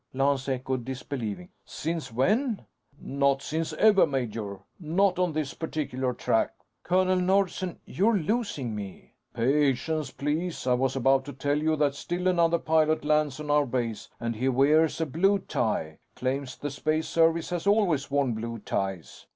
Lance echoed, disbelieving. "Since when?" "Not since ever, major. Not on this particular track." "Colonel Nordsen, you're losing me." "Patience, please. I was about to tell you that still another pilot lands on our base, and he wears a blue tie. Claims the Space Service has always worn blue ties."